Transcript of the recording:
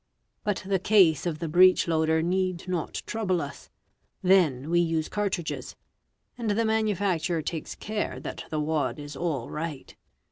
But the case of the breech loader need not trouble us; then we use cartridges, and the manufacturer takes care that the wad is all right.